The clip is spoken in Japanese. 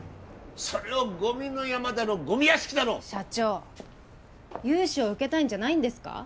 それをゴミの山だのゴミ屋敷だの社長融資を受けたいんじゃないんですか？